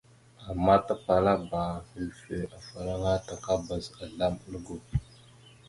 Ama tapalaba hʉlfœ afalaŋa takabaz azzlam algo.